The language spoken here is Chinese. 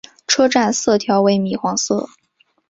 车站色调为米黄色。